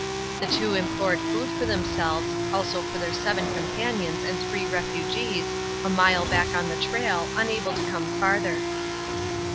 The two implored food for themselves, also for their seven companions and three refugees, a mile back on the trail, unable to come farther.